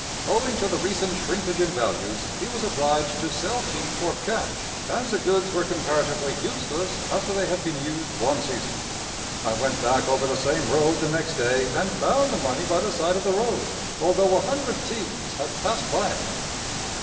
Owing to the recent shrinkage in values he was obliged to sell teeth for cash, as the goods were comparatively useless after they had been used one season. I went back over the same road the next day and found the money by the side of the road, although a hundred teams had passed by it.